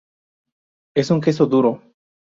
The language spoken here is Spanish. Es un queso duro.